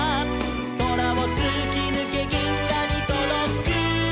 「そらをつきぬけぎんがにとどく」